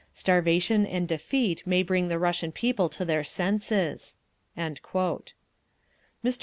Starvation and defeat may bring the Russian people to their senses…." Mr.